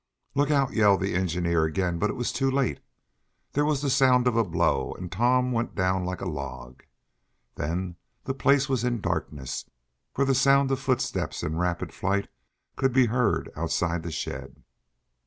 "Look out!" yelled the engineer again, but it was too late. There was the sound of a blow, and Tom went down like a log. Then the place was in darkness, and the sound of footsteps in rapid flight could be heard outside the shed.